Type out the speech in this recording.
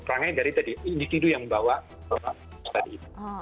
perangnya dari tadi individu yang membawa itu tadi